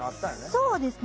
そうですね